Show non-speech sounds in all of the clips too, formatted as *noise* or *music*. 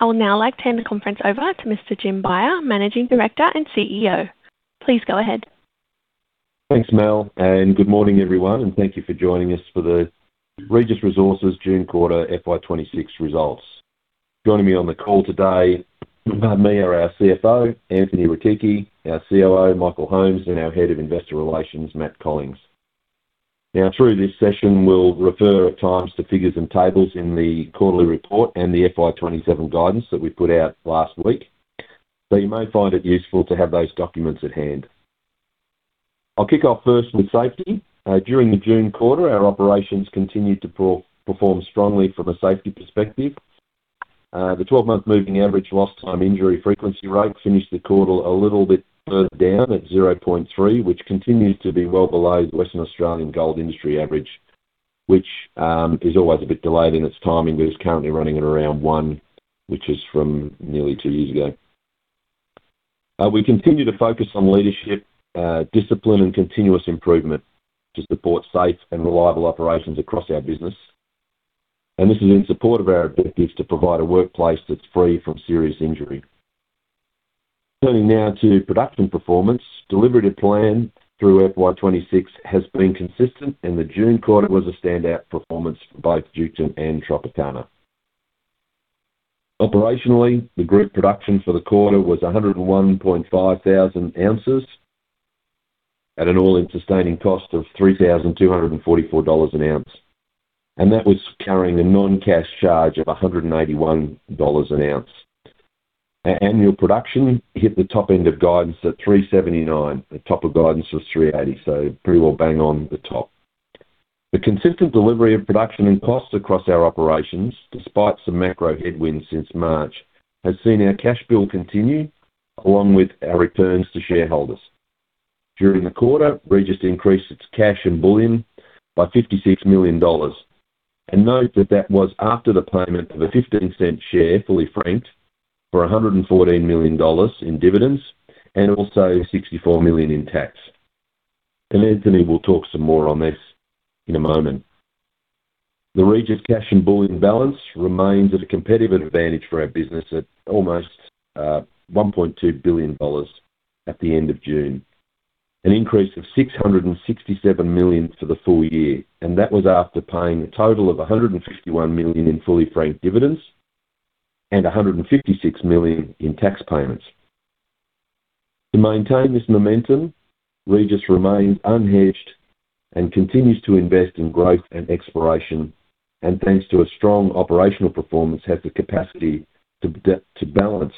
I would now like to hand the conference over to Mr. Jim Beyer, Managing Director and CEO. Please go ahead. Thanks, Mel, good morning, everyone, and thank you for joining us for the Regis Resources June quarter FY 2026 results. Joining me on the call today are our CFO, Anthony Rechichi, our COO, Michael Holmes, and our Head of Investor Relations, Mathew Collings. Through this session, we'll refer at times to figures and tables in the quarterly report and the FY 2027 guidance that we put out last week. You may find it useful to have those documents at hand. I'll kick off first with safety. During the June quarter, our operations continued to perform strongly from a safety perspective. The 12-month moving average lost time injury frequency rate finished the quarter a little bit further down at 0.3, which continues to be well below the Western Australian gold industry average, which, is always a bit delayed in its timing, but is currently running at around 1.0, which is from nearly two years ago. We continue to focus on leadership, discipline, and continuous improvement to support safe and reliable operations across our business. This is in support of our objectives to provide a workplace that's free from serious injury. Turning now to production performance. Delivery to plan through FY 2026 has been consistent, and the June quarter was a standout performance for both Duketon and Tropicana. Operationally, the group production for the quarter was 101.5 thousand at an all-in sustaining cost of 3,244 dollars an ounce. That was carrying a non-cash charge of 181 dollars an ounce. Annual production hit the top end of guidance at 379 koz. The top of guidance was 380 koz, so pretty well bang on the top. The consistent delivery of production and cost across our operations, despite some macro headwinds since March, has seen our cash build continue, along with our returns to shareholders. During the quarter, Regis increased its cash and bullion by 56 million dollars. Note that that was after the payment of a 0.15 share, fully franked, for 114 million dollars in dividends and also 64 million in tax. Anthony will talk some more on this in a moment. The Regis cash and bullion balance remains at a competitive advantage for our business at almost 1.2 billion dollars at the end of June. An increase of 667 million for the full year. That was after paying a total of 151 million in fully franked dividends and 156 million in tax payments. To maintain this momentum, Regis remains unhedged and continues to invest in growth and exploration. Thanks to a strong operational performance, has the capacity to balance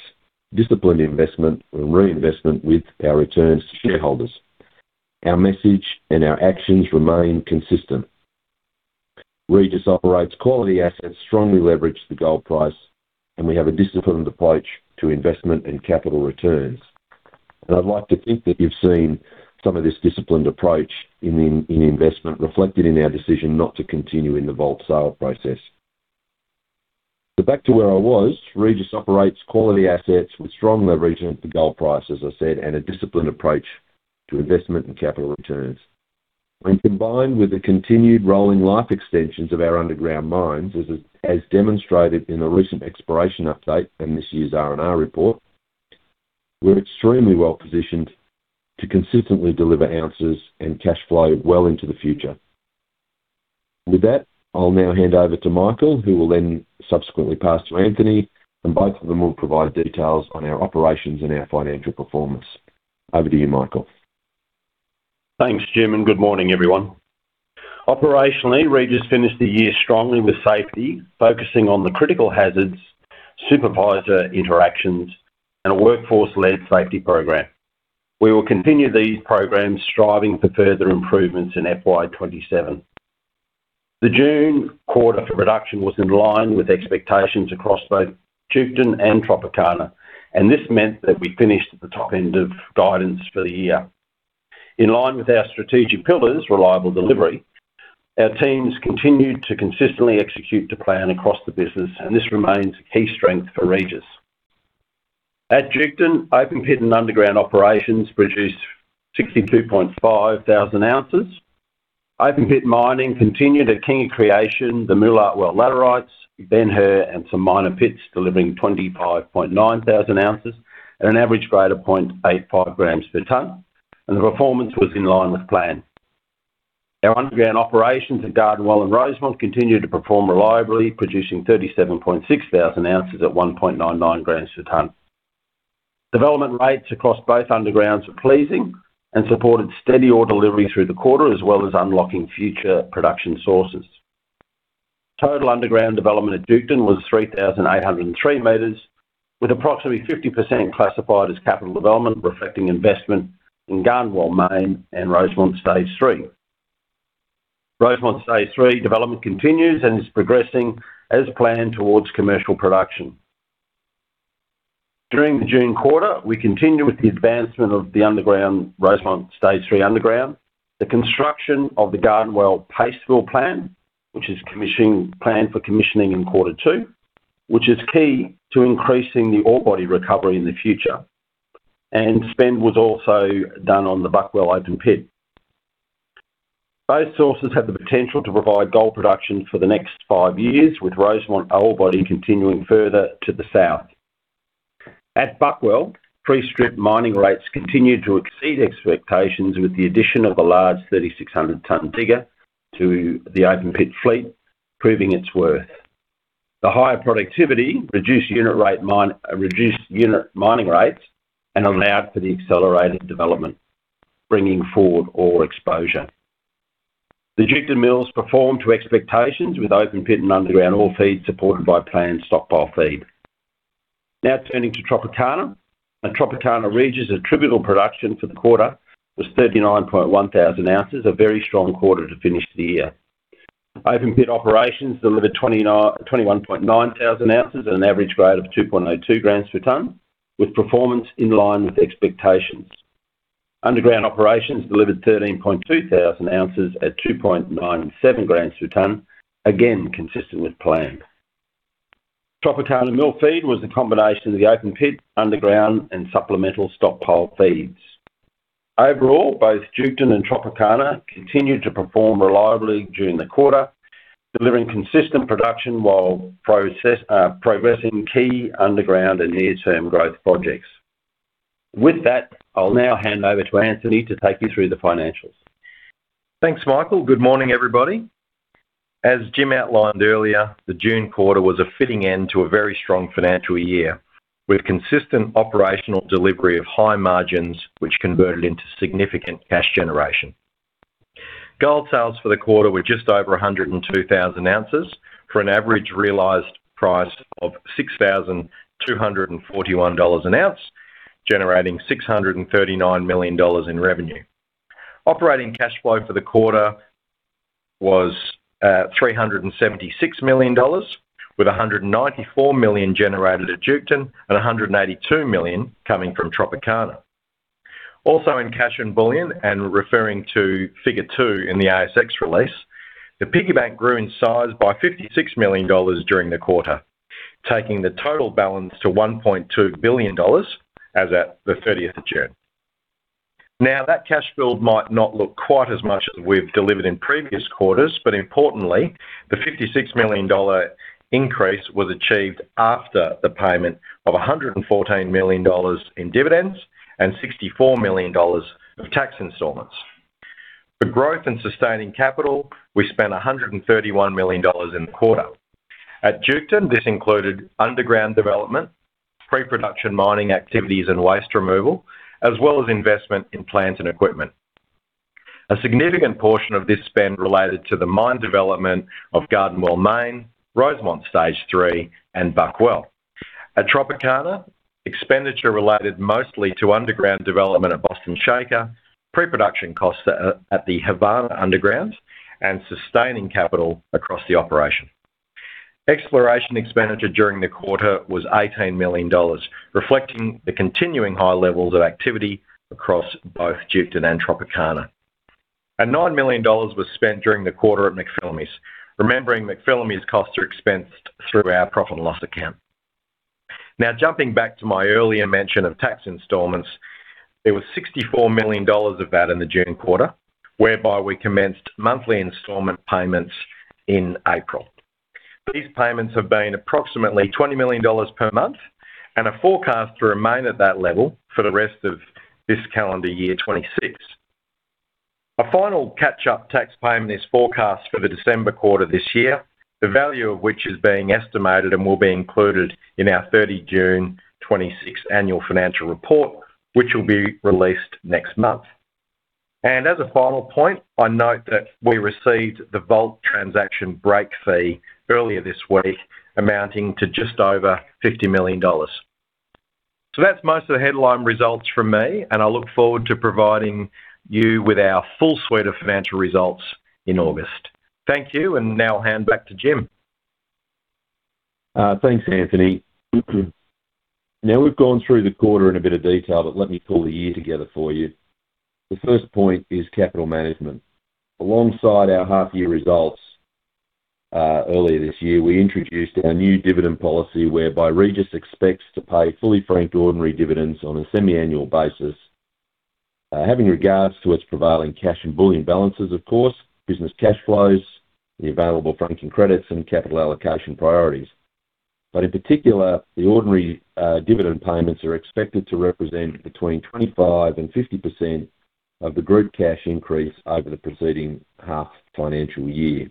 disciplined investment and reinvestment with our returns to shareholders. Our message and our actions remain consistent. Regis operates quality assets, strongly leveraged to gold price, and we have a disciplined approach to investment and capital returns. I'd like to think that you've seen some of this disciplined approach in investment reflected in our decision not to continue in the Vault sale process. Back to where I was. Regis operates quality assets with strong leverage at the gold price, as I said, and a disciplined approach to investment and capital returns. When combined with the continued rolling life extensions of our underground mines, as demonstrated in the recent exploration update and this year's R&R report, we're extremely well-positioned to consistently deliver ounces and cash flow well into the future. With that, I'll now hand over to Michael, who will then subsequently pass to Anthony. Both of them will provide details on our operations and our financial performance. Over to you, Michael. Thanks, Jim. Good morning, everyone. Operationally, Regis finished the year strongly with safety, focusing on the critical hazards, supervisor interactions, and a workforce-led safety program. We will continue these programs, striving for further improvements in FY 2027. The June quarter for production was in line with expectations across both Duketon and Tropicana. This meant that we finished at the top end of guidance for the year. In line with our strategic pillars, reliable delivery, our teams continued to consistently execute to plan across the business. This remains a key strength for Regis. At Duketon, open pit and underground operations produced 62.5 thousand ounces. Open pit mining continued at King of Creation, the Moolart Well laterites, Ben Hur, and some minor pits, delivering 25.9 thousand ounces at an average grade of 0.85 g per ton. The performance was in line with plan. Our underground operations at Garden Well and Rosemont continued to perform reliably, producing 37.6 thousand ounces at 1.99 g per ton. Development rates across both undergrounds were pleasing and supported steady ore delivery through the quarter, as well as unlocking future production sources. Total underground development at Duketon was 3,803 m, with approximately 50% classified as capital development, reflecting investment in Garden Well Main and Rosemont 3. Rosemont Stage 3 development continues and is progressing as planned towards commercial production. During the June quarter, we continued with the advancement of the underground Rosemont Stage 3. The construction of the Garden Well paste fill plant, which is planned for commissioning in quarter 2, which is key to increasing the ore body recovery in the future. Spend was also done on the BuckWell open pit. Both sources have the potential to provide gold production for the next five years, with Rosemont orebody continuing further to the south. At BuckWell, pre-strip mining rates continued to exceed expectations with the addition of a large 3,600 ton digger to the open pit fleet, proving its worth. The higher productivity reduced unit mining rates and allowed for the accelerated development, bringing forward ore exposure. The Duketon mills performed to expectations with open pit and underground ore feed supported by planned stockpile feed. Now turning to Tropicana. At Tropicana, Regis attributable production for the quarter was 39.1 thousand ounces, a very strong quarter to finish the year. Open pit operations delivered 21.9 thousand ounces at an average grade of 2.02 g per ton, with performance in line with expectations. Underground operations delivered 13.2 thousand ounces at 2.97 g per ton, again, consistent with plan. Tropicana mill feed was the combination of the open pit, underground, and supplemental stockpile feeds. Overall, both Duketon and Tropicana continued to perform reliably during the quarter, delivering consistent production while progressing key underground and near-term growth projects. With that, I'll now hand over to Anthony to take you through the financials. Thanks, Michael. Good morning, everybody. As Jim outlined earlier, the June quarter was a fitting end to a very strong financial year, with consistent operational delivery of high margins, which converted into significant cash generation. Gold sales for the quarter were just over 102,000 oz for an average realized price of 6,241 dollars an ounce, generating 639 million dollars in revenue. Operating cash flow for the quarter was 376 million dollars, with 194 million generated at Duketon and 182 million coming from Tropicana. Also, in cash and bullion, and referring to figure two in the ASX release, the piggy bank grew in size by 56 million dollars during the quarter, taking the total balance to 1.2 billion dollars as at the 30th of June. Now, that cash build might not look quite as much as we've delivered in previous quarters, but importantly, the 56 million dollar increase was achieved after the payment of 114 million dollars in dividends and 64 million dollars of tax installments. For growth and sustaining capital, we spent 131 million dollars in the quarter. At Duketon, this included underground development, pre-production mining activities, and waste removal, as well as investment in plant and equipment. A significant portion of this spend related to the mine development of Garden Well Main, Rosemont Stage 3, and BuckWell. At Tropicana, expenditure related mostly to underground development at Boston Shaker, pre-production costs at the Havana undergrounds, and sustaining capital across the operation. Exploration expenditure during the quarter was 18 million dollars, reflecting the continuing high levels of activity across both Duketon and Tropicana. 9 million dollars was spent during the quarter at McPhillamys. Remembering McPhillamys costs are expensed through our profit and loss account. Jumping back to my earlier mention of tax installments, there was 64 million dollars of that in the June quarter, whereby we commenced monthly installment payments in April. These payments have been approximately 20 million dollars per month and are forecast to remain at that level for the rest of this calendar year, 2026. A final catch-up tax payment is forecast for the December quarter this year, the value of which is being estimated and will be included in our 30 June 2026 annual financial report, which will be released next month. As a final point, I note that we received the Vault transaction break fee earlier this week, amounting to just over 50 million dollars. That's most of the headline results from me, and I look forward to providing you with our full suite of financial results in August. Thank you. Now I'll hand back to Jim. Thanks, Anthony. We've gone through the quarter in a bit of detail, but let me pull the year together for you. The first point is capital management. Alongside our half-year results earlier this year, we introduced our new dividend policy whereby Regis Resources expects to pay fully franked ordinary dividends on a semi-annual basis, having regards to its prevailing cash and bullion balances, of course, business cash flows, the available franking credits, and capital allocation priorities. In particular, the ordinary dividend payments are expected to represent between 25%-50% of the group cash increase over the preceding half financial year.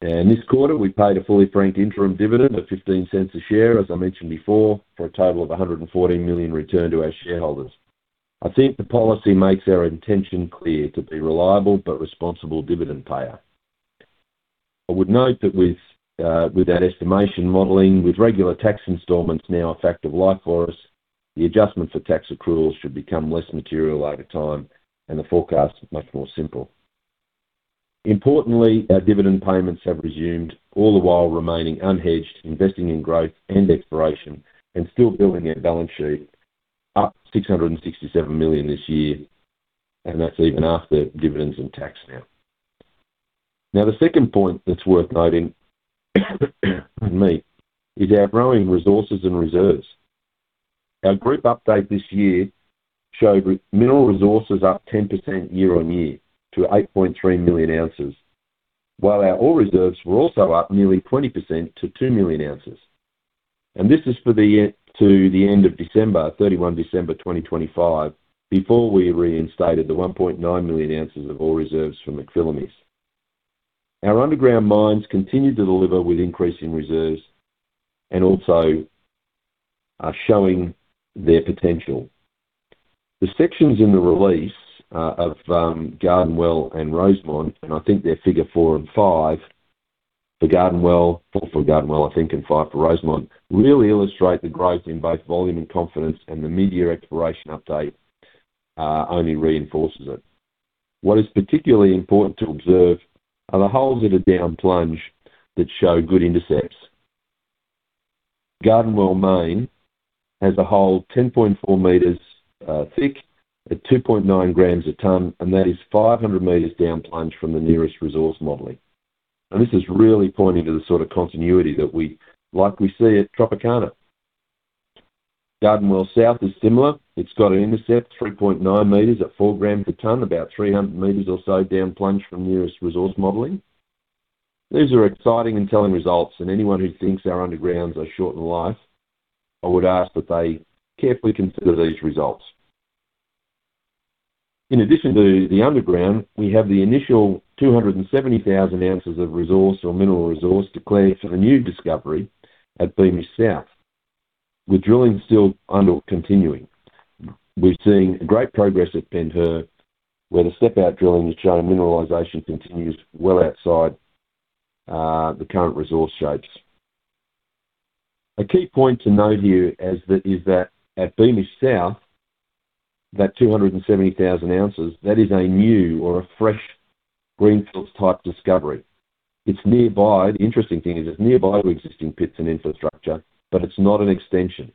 This quarter, we paid a fully franked interim dividend of 0.15 a share, as I mentioned before, for a total of 114 million returned to our shareholders. I think the policy makes our intention clear to be a reliable but responsible dividend payer. I would note that with our estimation modeling, with regular tax installments now a fact of life for us, the adjustment for tax accruals should become less material over time and the forecast is much more simple. Importantly, our dividend payments have resumed all the while remaining unhedged, investing in growth and exploration, and still building our balance sheet up 667 million this year, and that's even after dividends and tax now. The second point that's worth noting, pardon me, is our growing resources and reserves. Our group update this year showed mineral resources up 10% year-on-year to 8.3 million ounces, while our ore reserves were also up nearly 20% to 2 million ounces. This is to the end of December, 31 December 2025, before we reinstated the 1.9 million ounces of ore reserves from McPhillamys. Our underground mines continued to deliver with increasing reserves and also are showing their potential. The sections in the release of Garden Well and Rosemont, and I think they're figure four and five, four for Garden Well, I think, and five for Rosemont, really illustrate the growth in both volume and confidence and the mid-year exploration update only reinforces it. What is particularly important to observe are the holes that are down plunge that show good intercepts. Garden Well Main has a hole 10.4 m thick at 2.9 g a ton, and that is 500 m down plunge from the nearest resource modeling. This is really pointing to the sort of continuity like we see at Tropicana. Garden Well South is similar. It's got an intercept, 3.9 m at 4 g a ton, about 300 m or so down plunge from nearest resource modeling. These are exciting and telling results, anyone who thinks our undergrounds are short in life, I would ask that they carefully consider these results. In addition to the underground, we have the initial 270,000 oz of resource or mineral resource declared for the new discovery at Beamish South, with drilling still continuing. We're seeing great progress at Ben Hur, where the step-out drilling has shown mineralization continues well outside the current resource shapes. A key point to note here is that at Beamish South, that 270,000 oz, that is a new or a fresh greenfields-type discovery. The interesting thing is it's nearby to existing pits and infrastructure, it's not an extension.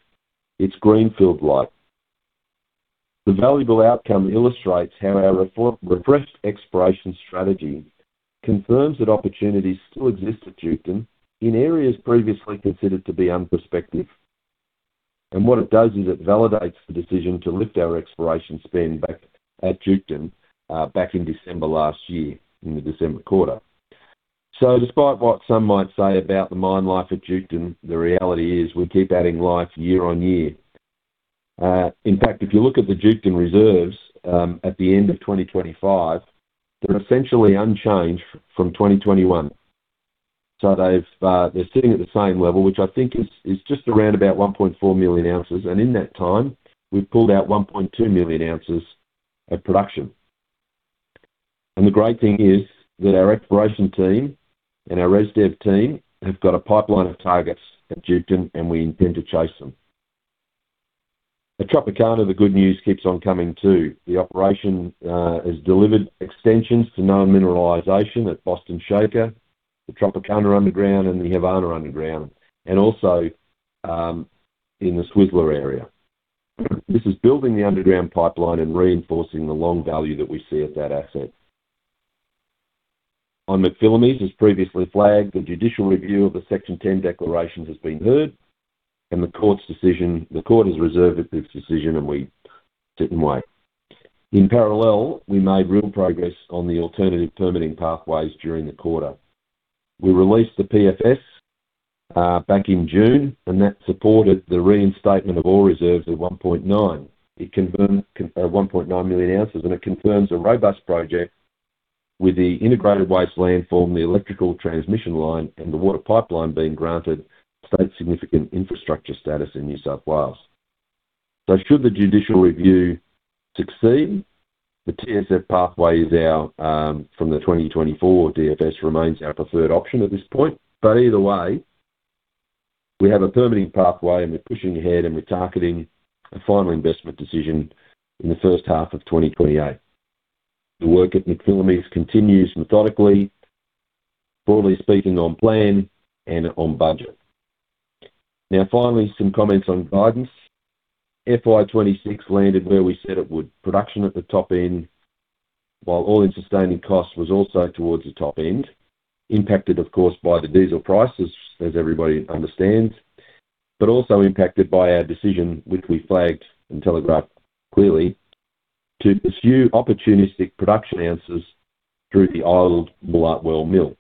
It's greenfield-like. The valuable outcome illustrates how our refreshed exploration strategy confirms that opportunities still exist at Duketon in areas previously considered to be unprospective. What it does is it validates the decision to lift our exploration spend back at Duketon back in December last year, in the December quarter. Despite what some might say about the mine life at Duketon, the reality is we keep adding life year on year. In fact, if you look at the Duketon reserves, at the end of 2025, they're essentially unchanged from 2021. They're sitting at the same level, which I think is just around about 1.4 million ounces. In that time, we've pulled out 1.2 million ounces at production. The great thing is that our exploration team and our res dev team have got a pipeline of targets at Duketon, and we intend to chase them. At Tropicana, the good news keeps on coming, too. The operation has delivered extensions to known mineralization at Boston Shaker, the Tropicana underground, the Havana underground, also in the Swizzler area. This is building the underground pipeline and reinforcing the long value that we see at that asset. On McPhillamys, as previously flagged, the judicial review of the Section 10 declarations has been heard, the court has reserved its decision and we sit and wait. In parallel, we made real progress on the alternative permitting pathways during the quarter. We released the PFS back in June, that supported the reinstatement of ore reserves at 1.9 million ounces. It confirms a robust project with the integrated waste landfill and the electrical transmission line and the water pipeline being granted state significant infrastructure status in New South Wales. Should the judicial review succeed, the TSF pathway from the 2024 DFS remains our preferred option at this point. Either way, we have a permitting pathway and we're pushing ahead, and we're targeting a final investment decision in the first half of 2028. The work at McPhillamys continues methodically, broadly speaking, on plan and on budget. Finally, some comments on guidance. FY 2026 landed where we said it would. Production at the top end, while all-in sustaining costs was also towards the top end, impacted, of course, by the diesel price, as everybody understands, but also impacted by our decision, which we flagged and telegraphed clearly, to pursue opportunistic production ounces through the idled Moolart Well mill.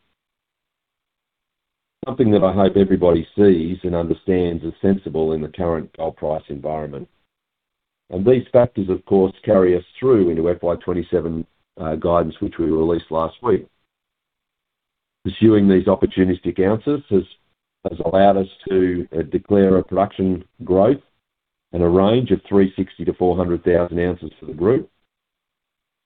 Something that I hope everybody sees and understands is sensible in the current gold price environment. These factors, of course, carry us through into FY 2027 guidance, which we released last week. Pursuing these opportunistic ounces has allowed us to declare a production growth and a range of 360,000 oz-400,000 oz for the group.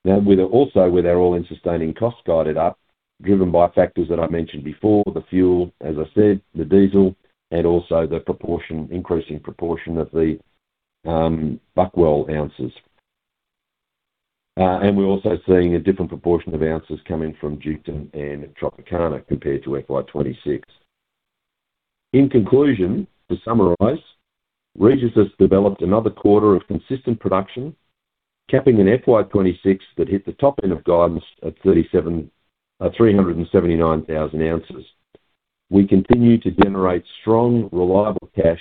Also with our all-in sustaining costs guided up, driven by factors that I mentioned before, the fuel, as I said, the diesel, and also the increasing proportion of the BuckWell ounces. We're also seeing a different proportion of ounces coming from Duketon and Tropicana compared to FY 2026. In conclusion, to summarize, Regis has developed another quarter of consistent production, capping an FY 2026 that hit the top end of guidance at 379,000 oz. We continue to generate strong, reliable cash,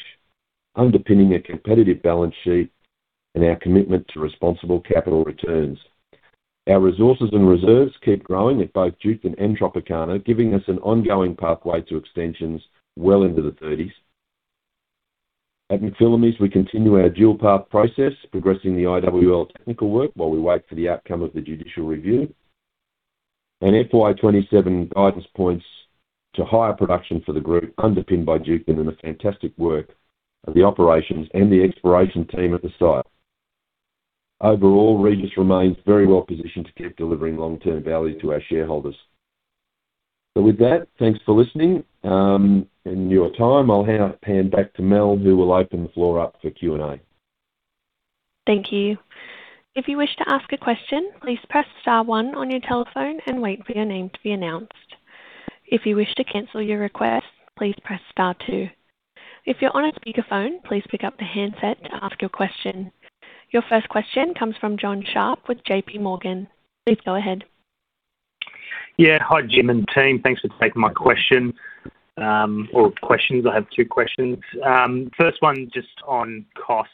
underpinning a competitive balance sheet and our commitment to responsible capital returns. Our resources and reserves keep growing at both Duketon and Tropicana, giving us an ongoing pathway to extensions well into the thirties. At McPhillamys, we continue our dual path process, progressing the IWL technical work while we wait for the outcome of the judicial review. FY 2027 guidance points to higher production for the group underpinned by Duketon and the fantastic work of the operations and the exploration team at the site. Overall, Regis remains very well positioned to keep delivering long-term value to our shareholders. With that, thanks for listening and your time. I'll hand back to Mel, who will open the floor up for Q&A. Thank you. If you wish to ask a question, please press star one on your telephone and wait for your name to be announced. If you wish to cancel your request, please press star two. If you're on a speakerphone, please pick up the handset to ask your question. Your first question comes from Jonathan Sharp with JPMorgan. Please go ahead. Yeah. Hi, Jim and team. Thanks for taking my question or questions. I have two questions. First one just on costs.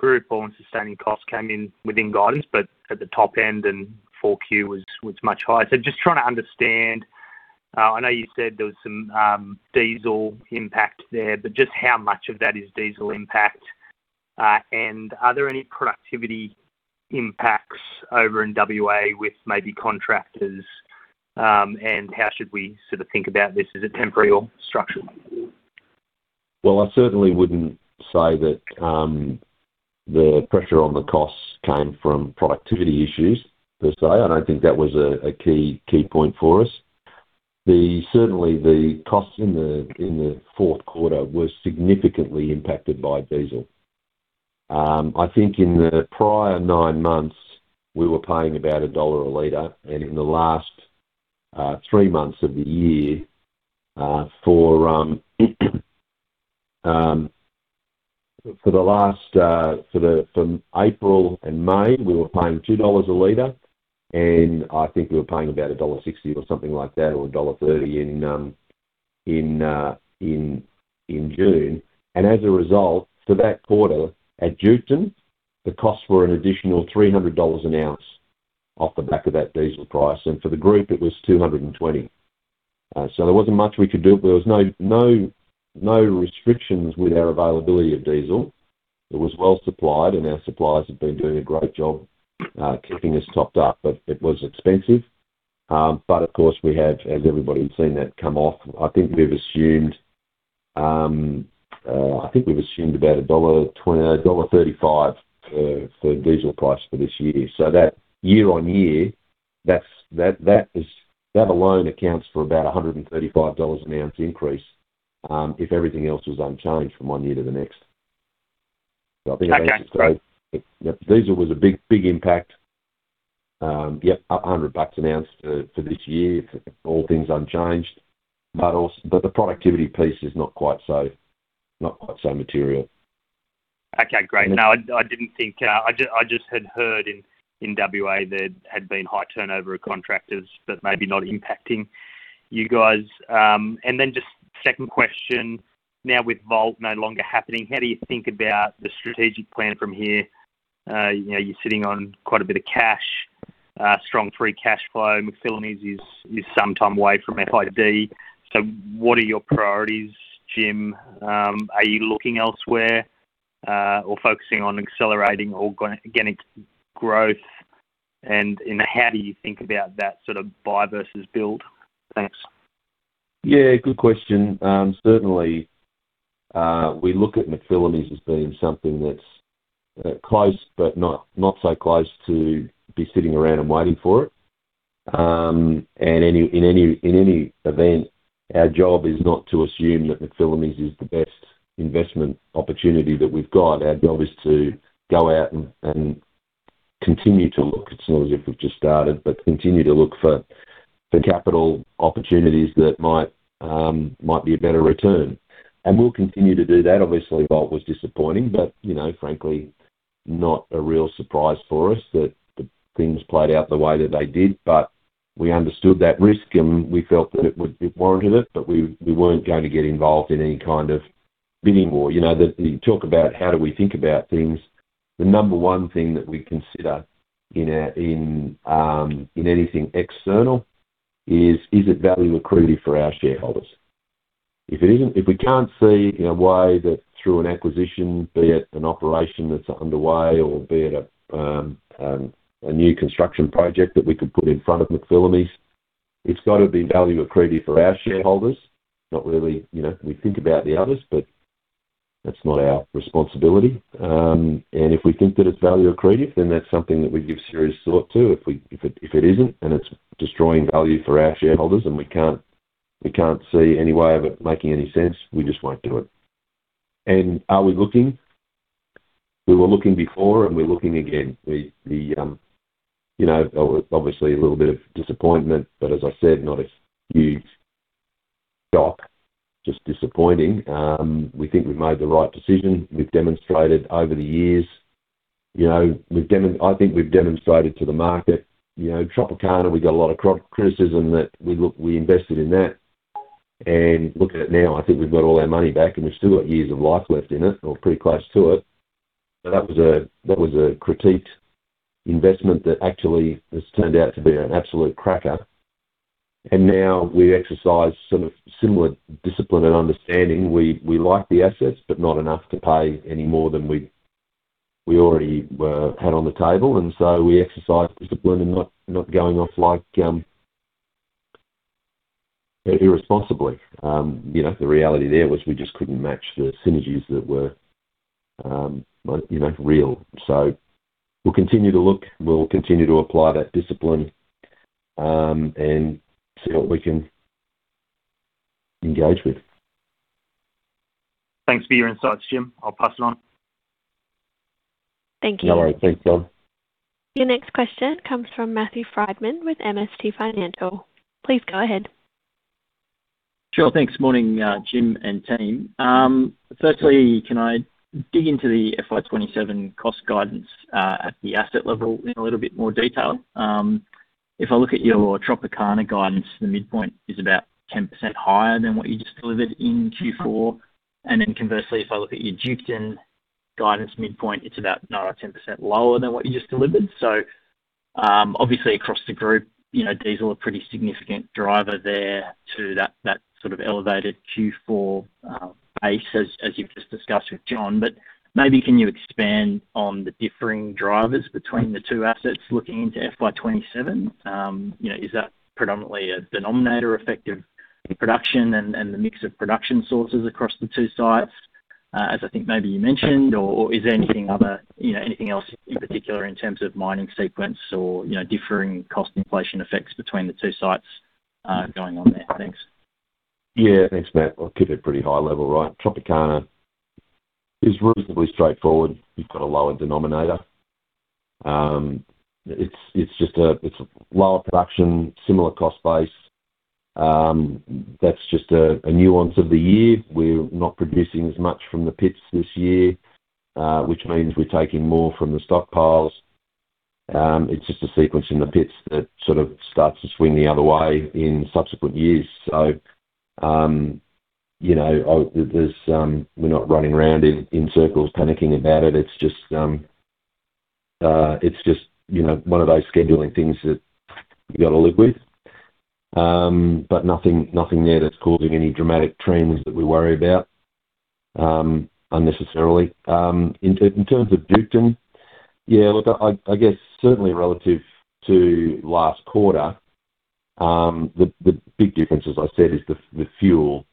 Group all in sustaining costs came in within guidance, but at the top end, and 4Q was much higher. Trying to understand. I know you said there was some diesel impact there, just how much of that is diesel impact? Are there any productivity impacts over in W.A. with maybe contractors? How should we sort of think about this? Is it temporary or structural? Well, I certainly wouldn't say that the pressure on the costs came from productivity issues per se. I don't think that was a key point for us. Certainly, the costs in the fourth quarter were significantly impacted by diesel. I think in the prior nine months, we were paying about AUD 1 a liter, and in the last three months of the year, from April and May, we were paying 2 dollars a liter, and I think we were paying about dollar 1.60 or something like that, or dollar 1.30 in June. As a result, for that quarter at Duketon, the costs were an additional 300 dollars an ounce off the back of that diesel price. For the group, it was 220. There wasn't much we could do. There was no restrictions with our availability of diesel. It was well supplied, our suppliers have been doing a great job keeping us topped up. It was expensive. Of course, we have, as everybody has seen, that come off. I think we've assumed about 1.35 dollar for diesel price for this year. That year-over-year, that alone accounts for about 135 dollars an ounce increase, if everything else was unchanged from one year to the next. Okay, great. Diesel was a big impact. Yep, 100 bucks an ounce for this year if all things unchanged. The productivity piece is not quite so material. Okay, great. No, I just had heard in W.A. there had been high turnover of contractors, but maybe not impacting you guys. Just second question, now with Vault no longer happening, how do you think about the strategic plan from here? You're sitting on quite a bit of cash, strong free cash flow. McPhillamys is some time away from FID. What are your priorities, Jim? Are you looking elsewhere or focusing on accelerating organic growth? How do you think about that sort of buy versus build? Thanks. Yeah, good question. Certainly, we look at McPhillamys as being something that's close but not so close to be sitting around and waiting for it. In any event, our job is not to assume that McPhillamys is the best investment opportunity that we've got. Our job is to go out and continue to look. It's not as if we've just started, but continue to look for capital opportunities that might be a better return. We'll continue to do that. Obviously, Vault was disappointing, but frankly, not a real surprise for us that things played out the way that they did. We understood that risk, and we felt that it warranted it, but we weren't going to get involved in any kind of bidding war. You talk about how do we think about things. The number one thing that we consider in anything external is it value accretive for our shareholders? If we can't see a way that through an acquisition, be it an operation that's underway or be it a new construction project that we could put in front of McPhillamys, it's got to be value accretive for our shareholders. We think about the others, but that's not our responsibility. If we think that it's value accretive, then that's something that we give serious thought to. If it isn't and it's destroying value for our shareholders and we can't see any way of it making any sense, we just won't do it. Are we looking? We were looking before and we're looking again. Obviously, a little bit of disappointment, but as I said, not a huge shock, just disappointing. We think we've made the right decision. We've demonstrated over the years, I think we've demonstrated to the market. Tropicana, we got a lot of criticism that we invested in that. Looking at it now, I think we've got all our money back and we've still got years of life left in it or pretty close to it. That was a critiqued investment that actually has turned out to be an absolute cracker. Now we exercise similar discipline and understanding. We like the assets, but not enough to pay any more than we already had on the table. We exercise discipline and not going off very irresponsibly. The reality there was we just couldn't match the synergies that were real. We'll continue to look, we'll continue to apply that discipline, and see what we can engage with. Thanks for your insights, Jim. I'll pass it on. Thank you. No worries. Thanks, Jon. Your next question comes from Matthew Friedman with MST Financial. Please go ahead. Sure thing. Morning, Jim and team. Firstly, can I dig into the FY 2027 cost guidance at the asset level in a little bit more detail? If I look at your Tropicana guidance, the midpoint is about 10% higher than what you just delivered in Q4. Conversely, if I look at your Duketon guidance midpoint, it's about 9% or 10% lower than what you just delivered. Obviously, across the group, diesel a pretty significant driver there to that sort of elevated Q4 base as you've just discussed with Jon. Maybe can you expand on the differing drivers between the two assets looking into FY 2027? Is that predominantly a denominator effect of production and the mix of production sources across the two sites, as I think maybe you mentioned? Is there anything else in particular in terms of mining sequence or differing cost inflation effects between the two sites going on there? Thanks. Yeah. Thanks, Matt. I'll keep it pretty high level, right? Tropicana is reasonably straightforward. You've got a lower denominator. It's lower production, similar cost base. That's just a nuance of the year. We're not producing as much from the pits this year, which means we're taking more from the stockpiles. It's just a sequence in the pits that sort of starts to swing the other way in subsequent years. We're not running around in circles panicking about it. It's just one of those scheduling things that you've got to live with. Nothing there that's causing any dramatic trends that we worry about unnecessarily. In terms of Duketon. Yeah, certainly relative to last quarter, the big difference, as I said, is the fuel.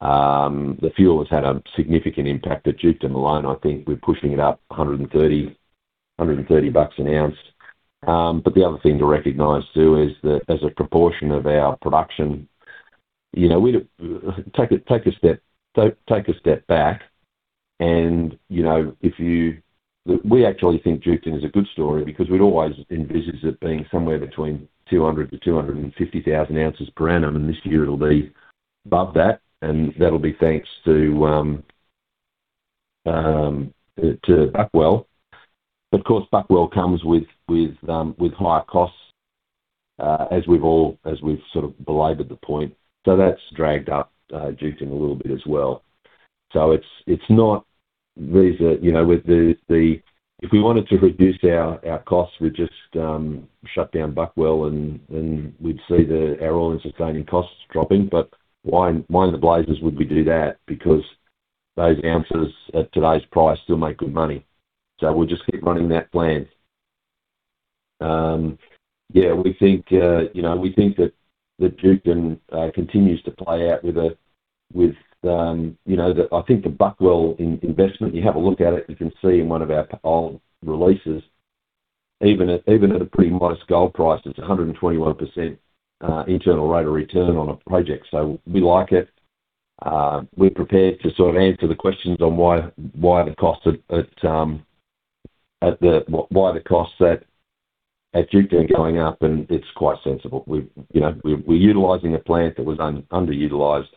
The fuel has had a significant impact at Duketon alone. I think we're pushing it up 130 bucks an ounce. The other thing to recognize, too, is that as a proportion of our production, take a step back and we actually think Duketon is a good story because we'd always envisaged it being somewhere between 200,000 oz-250,000 oz per annum, and this year it'll be above that, and that'll be thanks to Buckwell. Of course, Buckwell comes with higher costs, as we've sort of belabored the point. That's dragged up Duketon a little bit as well. If we wanted to reduce our costs, we'd just shut down Buckwell, and we'd see our all-in sustaining costs dropping. Why in the blazes would we do that? Those ounces at today's price still make good money. We'll just keep running that plant. We think that Duketon continues to play out. I think the Buckwell investment, you have a look at it, you can see in one of our old releases, even at a pretty modest gold price, it's 121% internal rate of return on a project. We like it. We're prepared to sort of answer the questions on why the costs at Duketon are going up, it's quite sensible. We're utilizing a plant that was underutilized.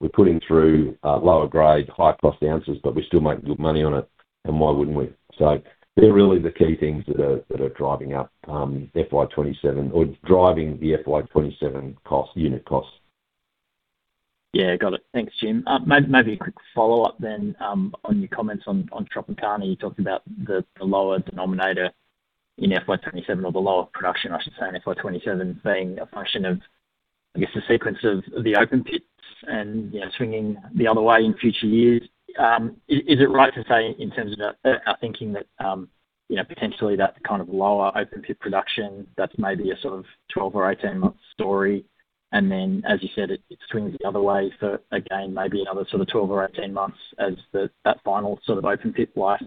We're putting through lower grade, high cost ounces, we still make good money on it, and why wouldn't we? They're really the key things that are driving up FY 2027 or driving the FY 2027 unit costs. Got it. Thanks, Jim. Maybe a quick follow-up on your comments on Tropicana. You talked about the lower denominator in FY 2027 or the lower production, I should say, in FY 2027 being a function of, I guess, the sequence of the open pits and swinging the other way in future years. Is it right to say in terms of our thinking that potentially that kind of lower open pit production, that's maybe a sort of 12 or 18 months story, as you said, it swings the other way for, again, maybe another sort of 12 or 18 months as that final open pit life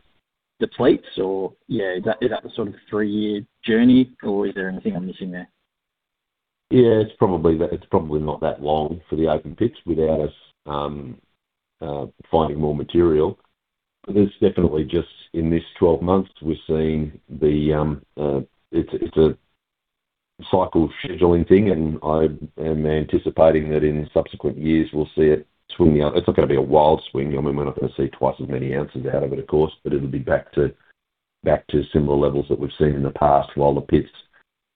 depletes? Or is that a sort of three-year journey, or is there anything I'm missing there? It's probably not that long for the open pits without us finding more material. There's definitely just in this 12 months, it's a cycle scheduling thing, I am anticipating that in subsequent years we'll see it swing out. It's not going to be a wild swing. We're not going to see twice as many ounces out of it, of course, it'll be back to similar levels that we've seen in the past while the pits,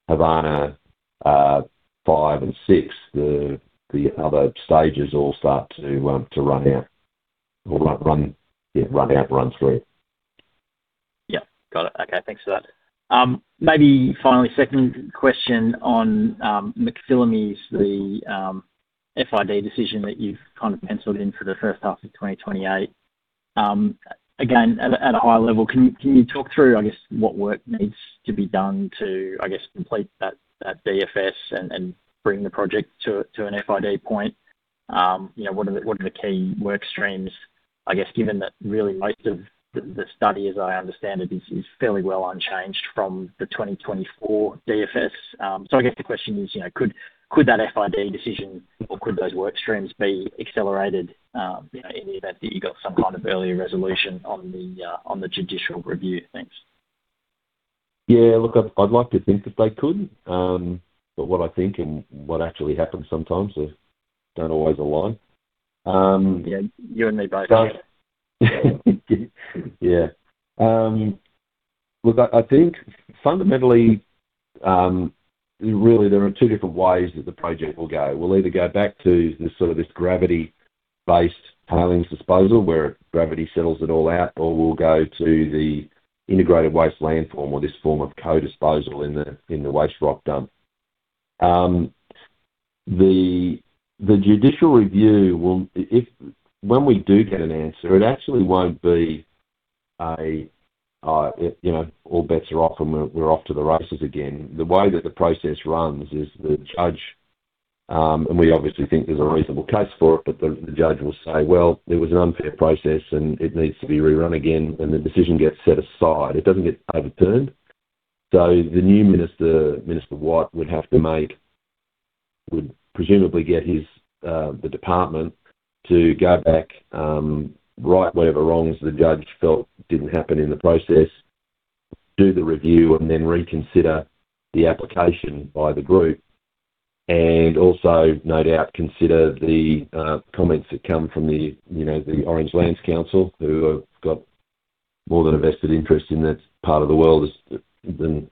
Havana, 5 and 6, the other stages all start to run out. Run out, run through. Yeah. Got it. Okay. Thanks for that. Maybe finally, second question on McPhillamys, the FID decision that you've kind of penciled in for the first half of 2028. Again, at a high level, can you talk through, I guess, what work needs to be done to, I guess, complete that DFS and bring the project to an FID point? What are the key work streams, I guess, given that really most of the study, as I understand it, is fairly well unchanged from the 2024 DFS. I guess the question is, could that FID decision or could those work streams be accelerated, in the event that you got some kind of earlier resolution on the judicial review? Thanks. Yeah, look, I'd like to think that they could. What I think and what actually happens sometimes don't always align. Yeah. You and me both. Yeah. Look, I think fundamentally, really there are two different ways that the project will go. We'll either go back to this sort of this gravity-based tailings disposal, where gravity settles it all out, or we'll go to the integrated waste landform or this form of co-disposal in the waste rock dump. The judicial review, when we do get an answer, it actually won't be all bets are off and we're off to the races again. The way that the process runs is the judge, and we obviously think there's a reasonable case for it, but the judge will say, well, there was an unfair process and it needs to be rerun again, and the decision gets set aside. It doesn't get overturned. The new minister, Minister Watt, would presumably get the department to go back, right whatever wrongs the judge felt didn't happen in the process, do the review, and then reconsider the application by the group. Also, no doubt, consider the comments that come from the Orange Land Council, who have got more than a vested interest in that part of the world,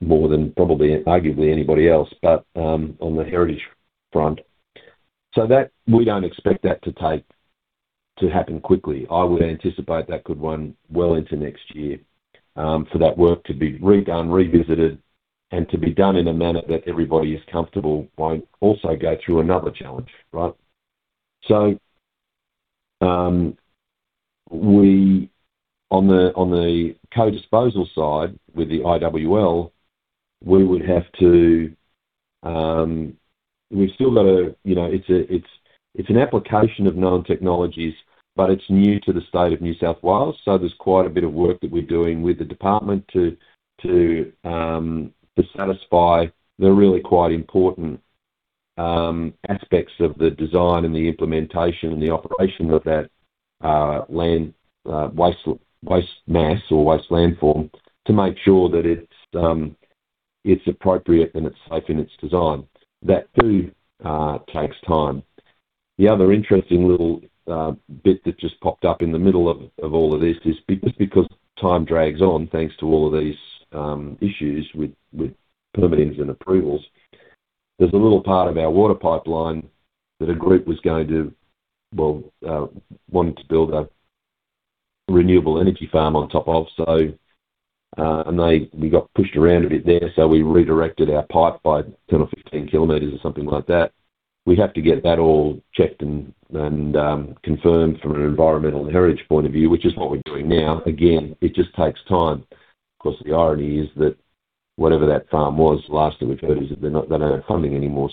more than probably, arguably anybody else, but on the heritage front. We don't expect that to happen quickly. I would anticipate that could run well into next year, for that work to be redone, revisited, and to be done in a manner that everybody is comfortable won't also go through another challenge, right? On the co-disposal side with the IWL, it's an application of known technologies, but it's new to the state of New South Wales. So there's quite a bit of work that we're doing with the department to satisfy the really quite important aspects of the design and the implementation and the operation of that waste mass or waste landform to make sure that it's appropriate and it's safe in its design. That too takes time. The other interesting little bit that just popped up in the middle of all of this is just because time drags on, thanks to all of these issues with permitting and approvals, there's a little part of our water pipeline that a group wanted to build a renewable energy farm on top of. We got pushed around a bit there, we redirected our pipe by 10 km or 15 km or something like that. We have to get that all checked and confirmed from an environmental and heritage point of view, which is what we're doing now. Again, it just takes time. Of course, the irony is that whatever that farm was, last we've heard is that they're not funding anymore.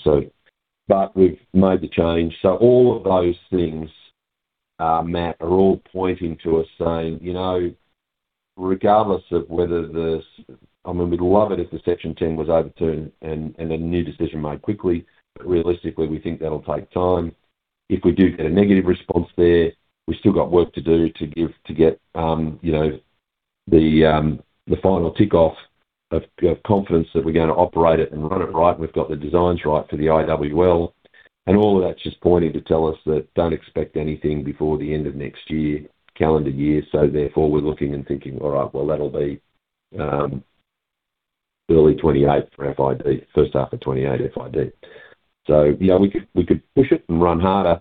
We've made the change. All of those things, Matt, are all pointing to us saying, regardless of whether I mean, we'd love it if the Section 10 was overturned and a new decision made quickly. Realistically, we think that'll take time. If we do get a negative response there, we've still got work to do to get the final tick off of confidence that we're going to operate it and run it right and we've got the designs right for the IWL. All of that's just pointing to tell us that don't expect anything before the end of next year, calendar year. We're looking and thinking, all right, well, that'll be early 2028 for FID, first half of 2028 FID. We could push it and run harder,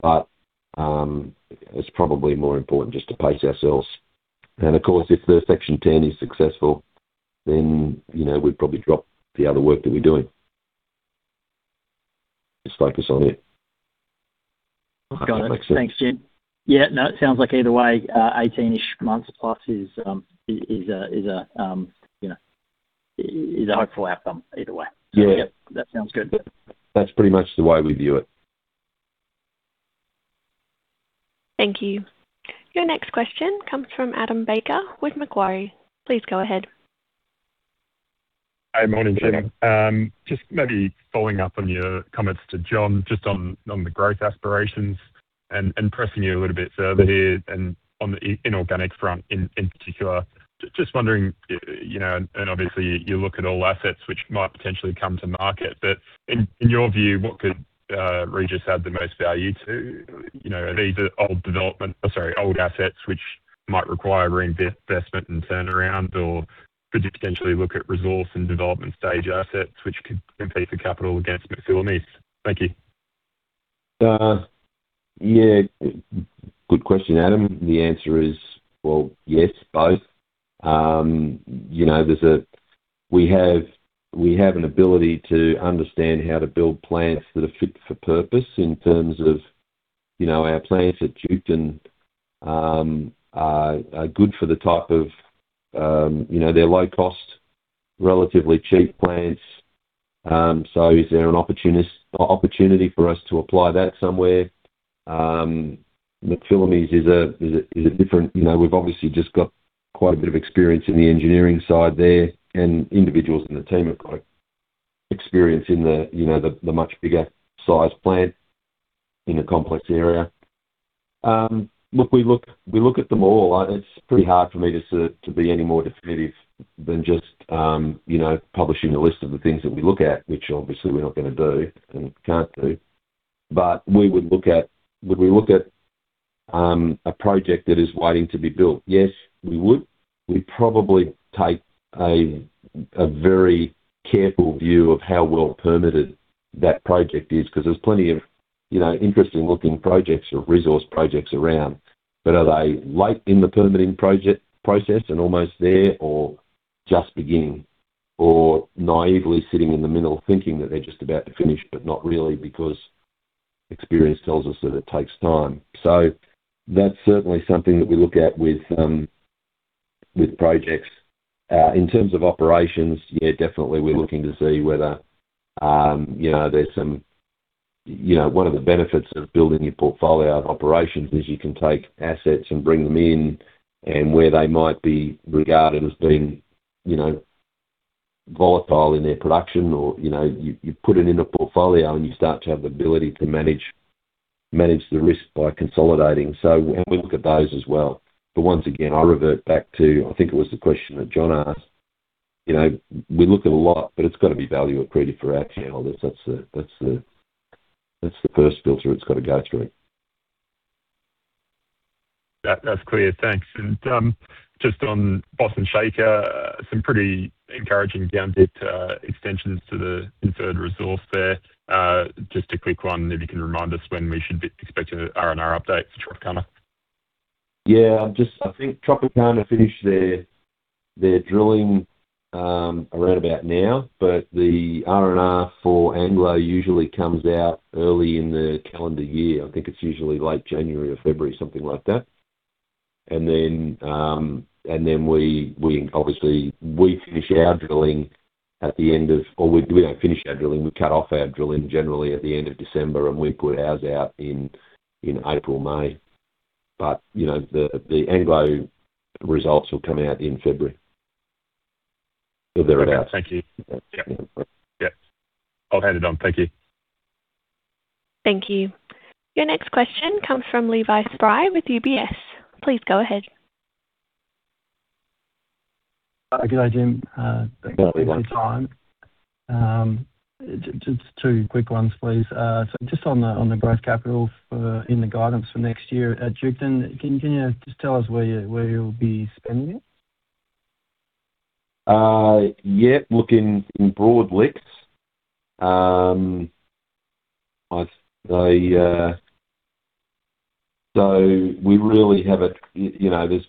but it's probably more important just to pace ourselves. Of course, if the Section 10 is successful, we'd probably drop the other work that we're doing. Just focus on it. Got it. Thanks, Jim. Yeah. No, it sounds like either way, 18-ish months plus is a hopeful outcome either way. Yeah. That sounds good. That's pretty much the way we view it. Thank you. Your next question comes from Adam Baker with Macquarie. Please go ahead. Morning, Jim. Just maybe following up on your comments to Jon, just on the growth aspirations and pressing you a little bit further here and on the inorganic front in particular. Just wondering, and obviously you look at all assets which might potentially come to market, but in your view, what could Regis add the most value to? Are these old development or sorry, old assets which might require reinvestment and turnaround, or could you potentially look at resource and development stage assets which could compete for capital against McPhillamys? Thank you. Good question, Adam. The answer is, well, yes, both. We have an ability to understand how to build plants that are fit for purpose in terms of our plants at Duketon are good for the type of, they're low cost, relatively cheap plants. Is there an opportunity for us to apply that somewhere? McPhillamys is a different. We've obviously just got quite a bit of experience in the engineering side there, and individuals in the team have got experience in the much bigger size plant in a complex area. Look, we look at them all. It's pretty hard for me to be any more definitive than just publishing a list of the things that we look at, which obviously we're not going to do and can't do. Would we look at a project that is waiting to be built? Yes, we would. We'd probably take a very careful view of how well permitted that project is, because there's plenty of interesting-looking projects or resource projects around, but are they late in the permitting process and almost there, or just beginning, or naively sitting in the middle thinking that they're just about to finish but not really because experience tells us that it takes time. That's certainly something that we look at with projects. In terms of operations, definitely, we're looking to see whether there's some. One of the benefits of building your portfolio of operations is you can take assets and bring them in and where they might be regarded as being volatile in their production or you put it in a portfolio and you start to have the ability to manage the risk by consolidating. We look at those as well. Once again, I revert back to, I think it was the question that Jon asked. We look at a lot, but it's got to be value accretive for our shareholders. That's the first filter it's got to go through. That's clear. Thanks. Just on Boston Shaker, some pretty encouraging down-dip extensions to the inferred resource there. Just a quick one, maybe you can remind us when we should be expecting an R&R update for Tropicana? Yeah. I think Tropicana finished their drilling around about now, the R&R for Anglo usually comes out early in the calendar year. I think it's usually late January or February, something like that. Then we obviously, or we don't finish our drilling, we cut off our drilling generally at the end of December and we put ours out in April, May. The Anglo results will come out in February. Okay. Thank you. Yep. I'll hand it on. Thank you. Thank you. Your next question comes from Levi Spry with UBS. Please go ahead. Good day, Jim. Good morning, Levi. Thanks for your time. Just two quick ones, please. Just on the growth capital in the guidance for next year at Duketon, can you just tell us where you'll be spending it? Yeah. Look, in broad, *audio distortion* there's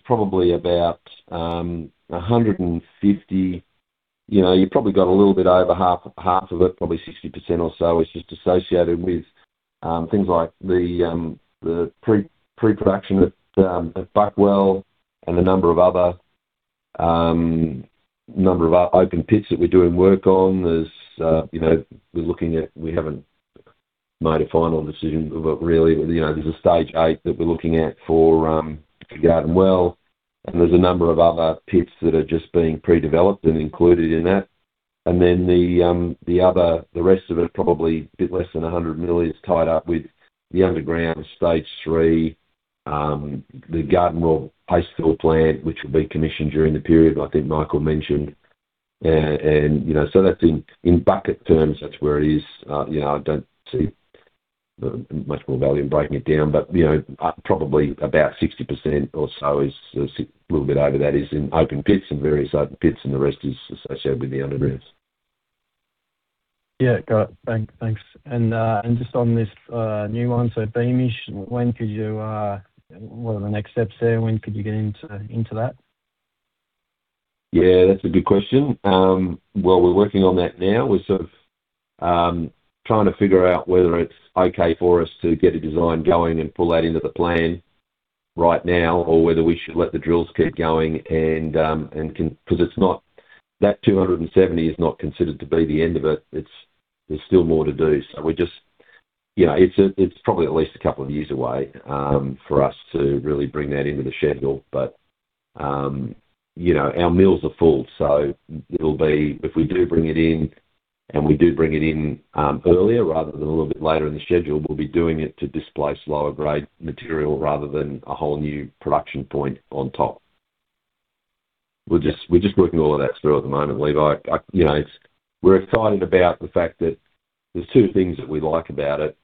probably about 150. You probably got a little bit over half of it, probably 60% or so is just associated with things like the pre-production at BuckWell and a number of other open pits that we're doing work on. We're looking at, we haven't made a final decision, but really, there's a Stage 8 that we're looking at for Garden Well, and there's a number of other pits that are just being pre-developed and included in that. The other, the rest of it, probably a bit less than 100 million, is tied up with the underground Stage 3, the Garden Well paste fill plant, which will be commissioned during the period, I think Michael mentioned. That's in bucket terms, that's where it is. I don't see much more value in breaking it down, but probably about 60% or so is, a little bit over that, is in open pits and various open pits, and the rest is associated with the undergrounds. Yeah. Got it. Thanks. Just on this new one, so Beamish, what are the next steps there? When could you get into that? Yeah, that's a good question. Well, we're working on that now. We're sort of trying to figure out whether it's okay for us to get a design going and pull that into the plan right now or whether we should let the drills keep going because 270,000 oz is not considered to be the end of it. There's still more to do. It's probably at least a couple of years away for us to really bring that into the schedule. Our mills are full, so if we do bring it in, and we do bring it in earlier rather than a little bit later in the schedule, we'll be doing it to displace lower-grade material rather than a whole new production point on top. We're just working all of that through at the moment, Levi. We're excited about the fact that there's two things that we like about it.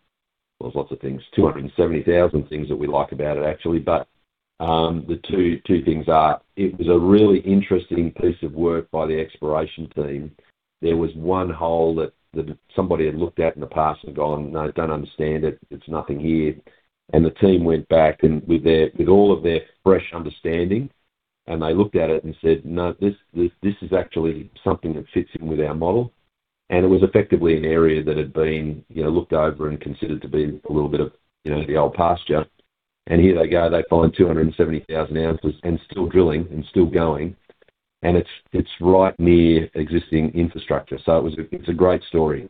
Well, there's lots of things, 270,000 oz things that we like about it, actually. The two things are, it was a really interesting piece of work by the exploration team. There was one hole that somebody had looked at in the past and gone, no, don't understand it. There's nothing here. The team went back with all of their fresh understanding, and they looked at it and said, no, this is actually something that fits in with our model. It was effectively an area that had been looked over and considered to be a little bit of the old pasture. Here they go, they find 270,000 oz and still drilling and still going. It's right near existing infrastructure. It's a great story.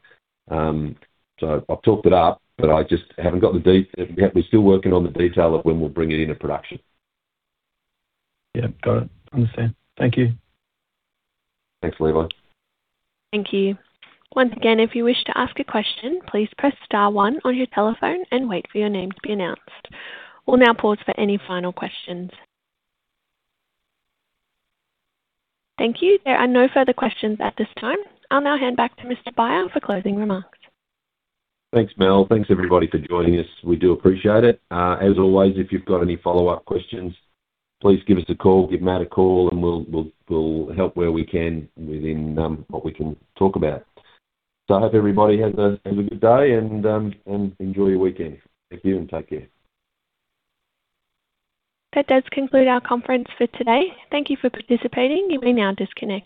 I've talked it up, but we're still working on the detail of when we'll bring it into production. Got it. Understand. Thank you. Thanks, Levi. Thank you. Once again, if you wish to ask a question, please press star one on your telephone and wait for your name to be announced. We'll now pause for any final questions. Thank you. There are no further questions at this time. I'll now hand back to Mr. Beyer for closing remarks. Thanks, Mel. Thanks everybody for joining us. We do appreciate it. As always, if you've got any follow-up questions, please give us a call, give Matt a call, and we'll help where we can within what we can talk about. I hope everybody has a good day and enjoy your weekend. Thank you and take care. That does conclude our conference for today. Thank you for participating. You may now disconnect.